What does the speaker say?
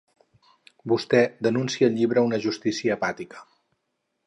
vostè denuncia al llibre una justícia apàtica